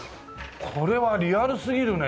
これはリアルすぎるね。